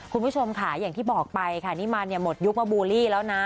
คุณผู้ชมค่ะอย่างที่บอกไปค่ะนี่มันเนี่ยหมดยุคมาบูลลี่แล้วนะ